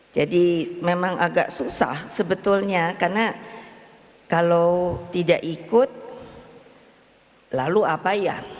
memang agak susah sebetulnya karena kalau tidak ikut lalu apa ya